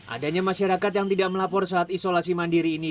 adanya masyarakat yang tidak melapor saat isolasi mandiri ini